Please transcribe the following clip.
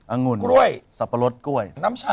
อังวฤษฎพรสก่วย